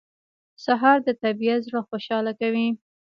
سهار د طبیعت زړه خوشاله کوي.